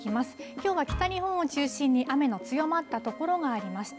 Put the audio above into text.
きょうは北日本を中心に雨の強まったところがありました